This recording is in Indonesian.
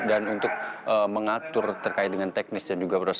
dan untuk mengatur terkait dengan teknis dan juga berusaha